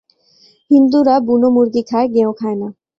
হিঁদুরা বুনো মুরগী খায়, গেঁয়ো খায় না।